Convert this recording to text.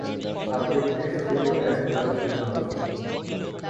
সাবজেক্টের শরীর হতে একপ্রকার সিগন্যাল আসছে!